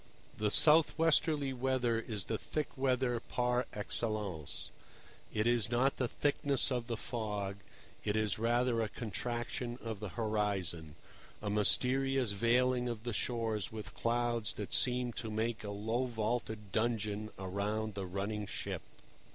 The south westerly weather is the thick weather par excellence. It is not the thickness of the fog; it is rather a contraction of the horizon, a mysterious veiling of the shores with clouds that seem to make a low vaulted dungeon around the running ship.